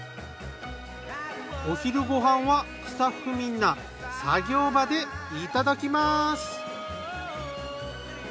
お昼ご飯はスタッフみんな作業場でいただきます。